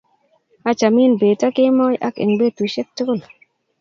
achamin bet ak kemboi ak eng' petusiek tugul